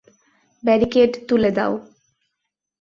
Barricade তুলে দাও।